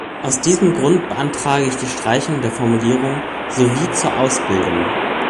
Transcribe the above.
Aus diesem Grund beantrage ich die Streichung der Formulierung "sowie zur Ausbildung".